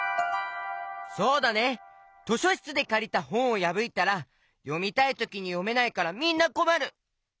そうだね！としょしつでかりたほんをやぶいたらよみたいときによめないからみんなこまる！